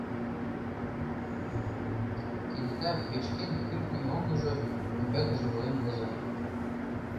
Кенета печкен кӱртньӧ оҥгыжо ӱмбакыже волен возо.